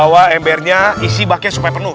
bawa embernya isi baknya supaya penuh